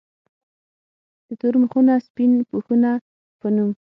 د “ تور مخونه سپين پوښونه ” پۀ نوم